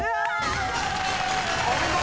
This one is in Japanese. ［お見事！］